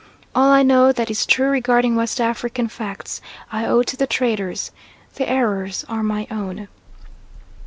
All I know that is true regarding West African facts, I owe to the traders; the errors are my own.